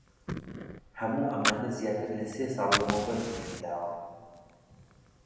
هەموو ئەمانە زیاتر لە سێ ساڵ لەمەوبەر ڕوویان داوە.